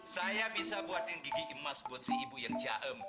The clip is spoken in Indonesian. saya bisa buatin gigi emas buat si ibu yang ciaem